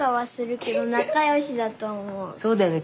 そうだよね。